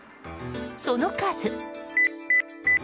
その数。